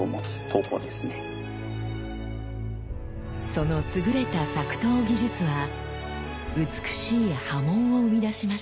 その優れた作刀技術は美しい刃文を生み出しました。